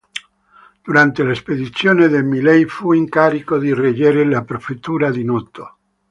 Durante la spedizione dei Mille fu incaricato di reggere la prefettura di Noto.